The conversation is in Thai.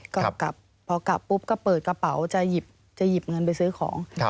ก็กลับพอกลับปุ๊บก็เปิดกระเป๋าจะหยิบเงินไปซื้อของ